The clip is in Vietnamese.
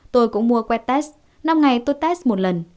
tôi cũng mua quét test năm ngày tôi test một lần